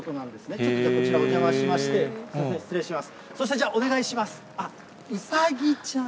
ちょっとこちら、お邪魔しまして、失礼します。